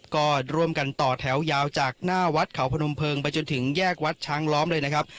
ก็ร่วมกันต่อแถวยาวจากหน้าวัดเขาพนมเพลิงไปจนถึงแยกวัดช้างล้อมเลยนะครับ